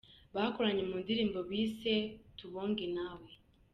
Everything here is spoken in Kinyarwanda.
bakoranye mu ndirimbo bise ‘Tubonge Nawe